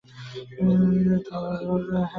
চিঠি বড়ো একটা রহস্যময় পদার্থ।